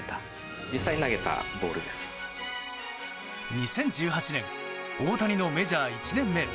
２０１８年大谷のメジャー１年目。